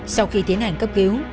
sau khi tiến hành cấp cứu